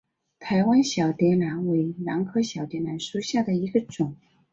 台湾小蝶兰为兰科小蝶兰属下的一个种。